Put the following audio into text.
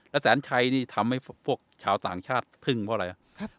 แสนชัยนี่ทำให้พวกชาวต่างชาติพึ่งเพราะอะไร